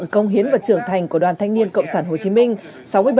công hiến và trưởng thành của đoàn thanh niên cộng sản hồ chí minh